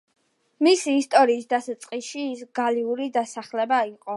მისი ისტორიის დასაწყისში, ის გალიური დასახლება იყო.